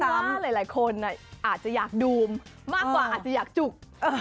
ว่าหลายคนอาจจะอยากดูมมากกว่าอาจจะอยากจุก